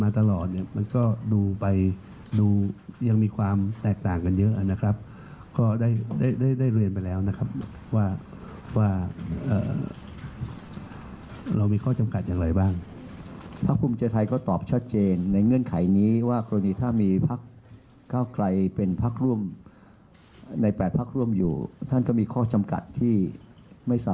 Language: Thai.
แต่ความว่า๘พัก๓๑๒บวกอีก๗๑มันเป็นไปไม่ได้